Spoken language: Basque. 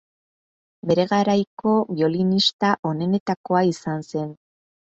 Bere garaiko biolinista onenetakoa izan zen.